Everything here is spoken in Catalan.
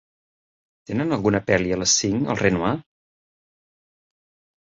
Tenen alguna pel·li a les cinc, al Renoir?